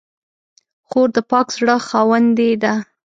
خور د پاک زړه خاوندې ده.